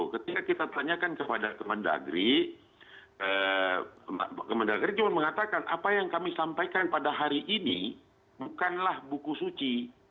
ketika kita tanyakan kepada kemendagri kemendagri cuma mengatakan apa yang kami sampaikan pada hari ini bukanlah buku suci